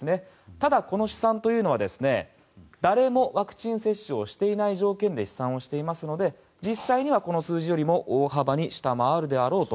ただ、この試算というのは誰もワクチン接種をしていない条件で試算をしていますので実際にはこの数字よりも大幅に下回るであろうと。